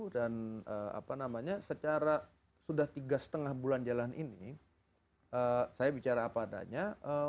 dan apa namanya secara sudah tiga lima bulan jalan ini saya bicara apa adanya